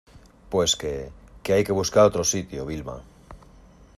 pues que... que hay que buscar otro sitio, Vilma .